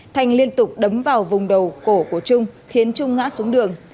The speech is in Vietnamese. thanh liên tục đấm vào vùng đầu cổ của trung khiến trung ngã xuống đường